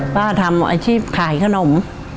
ทำอาชีพขายขนม